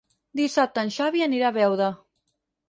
Dissabte en Xavi anirà a Beuda.